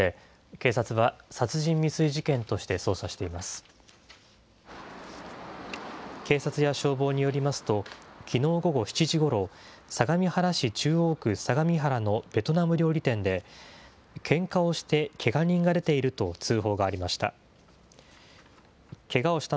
警察や消防によりますと、きのう午後７時ごろ、相模原市中央区相模原のベトナム料理店で、けんかをしてけが人が出ていると通報がありました。